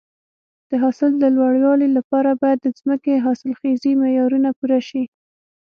د حاصل د لوړوالي لپاره باید د ځمکې حاصلخیزي معیارونه پوره شي.